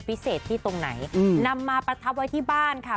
พิเศษที่ตรงไหนนำมาประทับไว้ที่บ้านค่ะ